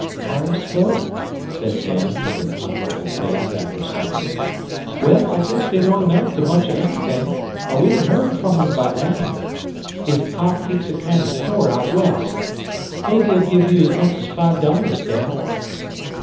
"Harve's folk?" said Dan, with an unruffled face after supper. "Well, I guess they don't amount to much of anything, or we'd ha' heard from 'em by naow. His pop keeps a kind o' store out West. Maybe he'll give you 's much as five dollars, Dad."